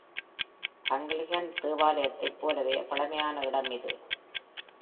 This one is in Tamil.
ஆங்க்லிகன் தேவாலயத்தைப் போலவே பழமையான இடம் இது.